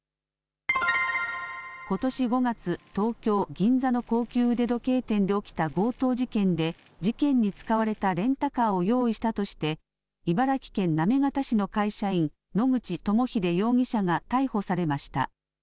ことし５月、東京銀座の高級腕時計店で起きた強盗事件で事件に使われたレンタカーを用意したとして茨城県行方市の会社員、野口朋秀容疑者が逮捕されました。